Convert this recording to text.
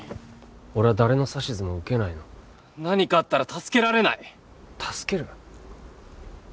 俺は誰の指図も受けないの何かあったら助けられない助ける？